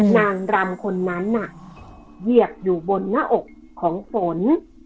นางรำคนนั้นน่ะเหยียบอยู่บนหน้าอกของฝน